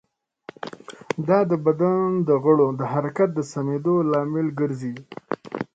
دا د بدن د غړو د حرکت د سمېدو لامل ګرځي.